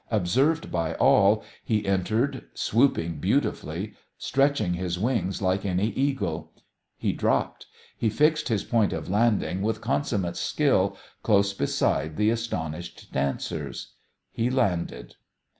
Observed by all, he entered, swooping beautifully, stretching his wings like any eagle. He dropped. He fixed his point of landing with consummate skill close beside the astonished dancers. He landed.